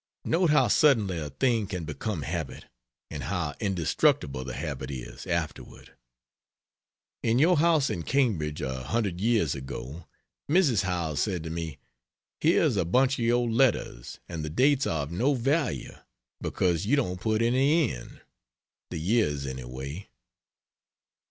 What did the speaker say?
Note how suddenly a thing can become habit, and how indestructible the habit is, afterward! In your house in Cambridge a hundred years ago, Mrs. Howells said to me, "Here is a bunch of your letters, and the dates are of no value, because you don't put any in the years, anyway."